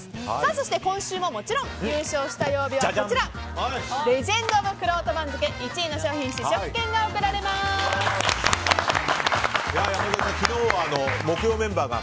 そして今週ももちろん優勝した曜日はレジェンド・オブ・くろうと番付１位の商品試食券が水曜日メンバーが。